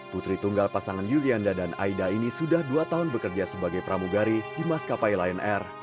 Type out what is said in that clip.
putri tunggal pasangan yulianda dan aida ini sudah dua tahun bekerja sebagai pramugari di mas kapal lain r